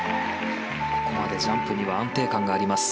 ここまでジャンプには安定感があります。